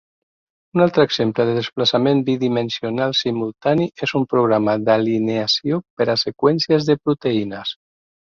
Un altre exemple de desplaçament bidimensional simultani és un programa d'alineació per a seqüències de proteïnes.